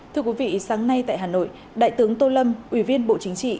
thưa quý vị sáng nay tại hà nội đại tướng tô lâm ủy viên bộ chính trị